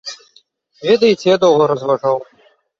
Ведаеце, я доўга разважаў.